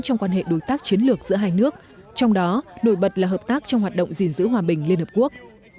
trong quan hệ đối tác chiến lược giữa hai nước trong đó nổi bật là hợp tác trong hoạt động gìn giữ hòa bình liên hợp quốc